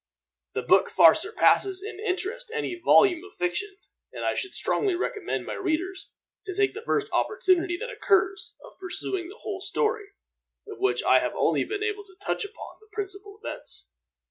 The book far surpasses in interest any volume of fiction, and I should strongly recommend my readers to take the first opportunity that occurs of perusing the whole story, of which I have only been able to touch upon the principal events.